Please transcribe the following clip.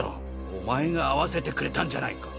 お前が会わせてくれたんじゃないか。